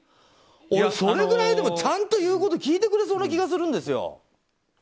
俺、それくらいでもちゃんと言うこと聞いてくれそうな気がするんですよ。